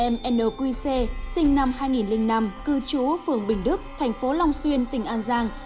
mnqc sinh năm hai nghìn năm cư trú phường bình đức thành phố long xuyên tỉnh an giang